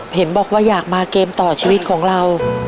เห็นบอกว่าอยากมาเกมต่อชีวิตของเรา